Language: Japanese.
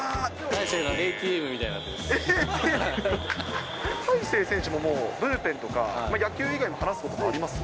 大勢選手もブルペンとか、野球以外でも話すことあります？